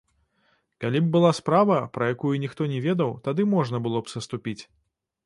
Калі б была справа, пра якую ніхто не ведаў, тады можна было б саступіць.